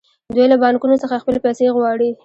دوی له بانکونو څخه خپلې پیسې غواړي